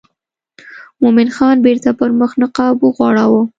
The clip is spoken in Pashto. مومن خان بیرته پر مخ نقاب وغوړاوه.